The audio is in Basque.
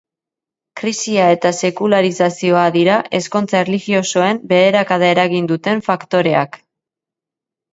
Krisia eta sekularizazioa dira ezkontza erlijiosoen beherakada eragin duten faktoreak.